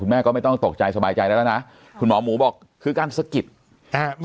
แม่ก็ไม่ต้องตกใจสบายใจแล้วแล้วนะคุณหมอหมูบอกคือการสะกิดอ่า